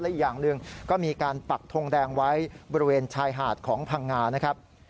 อีกอย่างหนึ่งก็มีการปักทงแดงไว้บริเวณชายหาดของพังงานะครับ